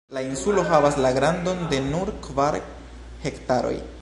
La insulo havas la grandon de nur kvar hektaroj.